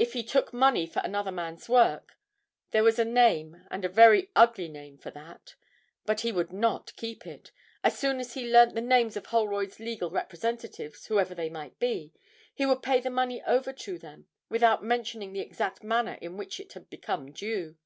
If he took money for another man's work, there was a name, and a very ugly name, for that. But he would not keep it. As soon as he learnt the names of Holroyd's legal representatives, whoever they might be, he would pay the money over to them without mentioning the exact manner in which it had become due.